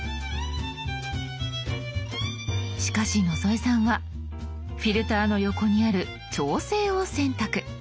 しかし野添さんは「フィルター」の横にある「調整」を選択。